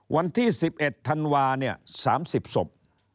วันที่๑๑ธันวาเนี่ย๓๐ศพ